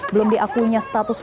belum diakuinya status perubahan